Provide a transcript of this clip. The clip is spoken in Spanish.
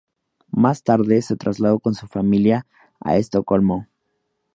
Más tarde se trasladó con su familia a Estocolmo.